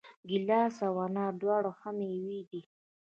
ګیلاس او انار دواړه ښه مېوې دي.